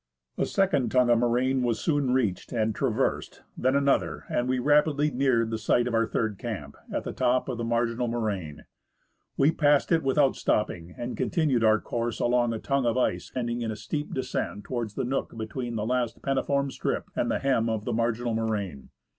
A second tongue of moraine was soon reached and traversed, then another, and we rapidly neared the site of our third camp, at the top of the marginal moraine. We passed it without stopping, and continued our course along a tongue of ice ending in a steep descent towards the nook between the last " penniform " strip and the hem of the marginal moraine.